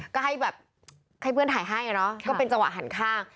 ก็ให้แบบให้เพื่อนถ่ายให้เนอะก็เป็นจังหวะหันข้าง